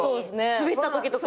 スベったときとか。